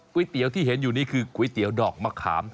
เตี๋ยวที่เห็นอยู่นี่คือก๋วยเตี๋ยวดอกมะขาม